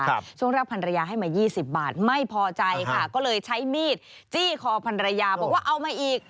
ช่วงแรกพันรยาให้มายี่สิบบาทไม่พอใจค่ะก็เลยใช้มีดจี้คอพันรยาบอกว่าเอามาอีก